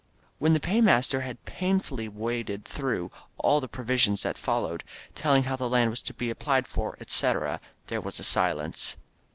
» When the paymaster had painfully waded through all the provisions that followed, telling how the land was to be applied for, etc., there was a silence.